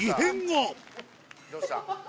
どうしたん？